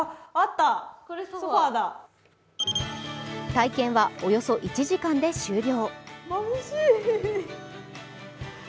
体験はおよそ１時間で終了。